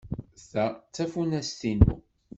Ta d tafunast-inu.